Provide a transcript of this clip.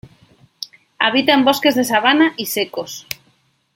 Habita en bosques de sabana y secos.